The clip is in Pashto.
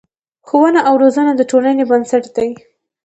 ښوونه او روزنه د ټولنې بنسټ دی.